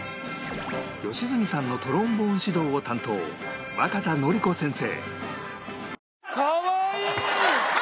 良純さんのトロンボーン指導を担当若田典子先生